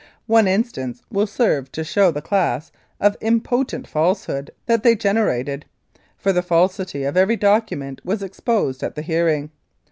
One instance will serve to show the class of impotent falsehood that they generated, for the falsity of every document was exposed at the hearing.